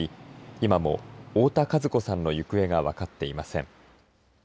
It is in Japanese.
今も太田和子さんの行方が分かっていません。